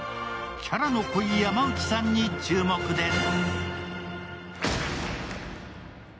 キャラの濃い山内さんに注目です。